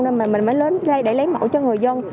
nên mình mới lên đây để lấy mẫu cho người dân